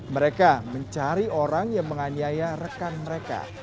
mereka mencari orang yang menganiaya rekan mereka